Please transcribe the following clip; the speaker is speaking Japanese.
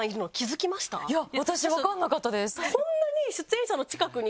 いや私分かんなかったです。